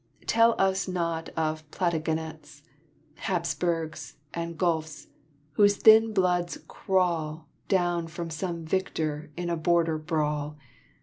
Tell us not of Plantagenets, Hapsburgs, and Guelfs, whose thin bloods crawl Down from some victor in a border brawl!